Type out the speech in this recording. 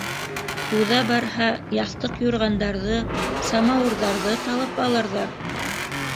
Уҙа барһа, яҫтыҡ-юрғандарҙы, самауырҙарҙы талап алырҙар.